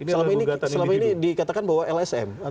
selama ini dikatakan bahwa lsm